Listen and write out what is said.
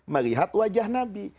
melihat wajah nabi